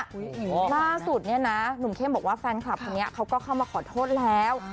ล่าสุดเนี่ยนะหนุ่มเข้มบอกว่าแฟนคลับคนนี้เขาก็เข้ามาขอโทษแล้ว